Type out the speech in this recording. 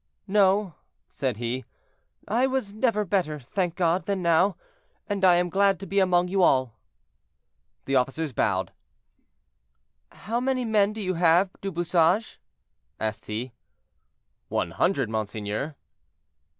"No," said he, "I was never better, thank God, than now, and I am glad to be among you all." The officers bowed. "How many men have you, Du Bouchage?" asked he. "One hundred, monseigneur."